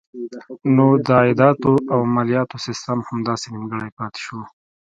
نو د عایداتو او مالیاتو سیسټم همداسې نیمګړی پاتې شو.